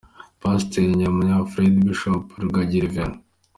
Pasiteri Nyamurangwa Fred, Bishop Rugagi, Rev.